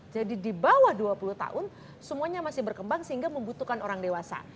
jadi di bawah dua puluh tahun semuanya masih berkembang sehingga membutuhkan orang dewasa